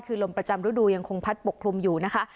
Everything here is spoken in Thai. คือลมประจำฤดูยังคงพัดปกคลุมอยู่นะคะ